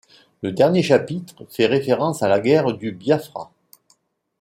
Le dernier chapitre fait référence à la guerre du Biafra.